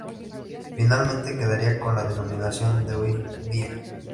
Finalmente quedaría con la denominación de hoy día.